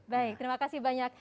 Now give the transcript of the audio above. baik terima kasih banyak